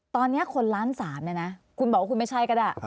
ตอนนี้คนล้านสามเนี่ยนะคุณบอกว่าคุณไม่ใช่ก็ได้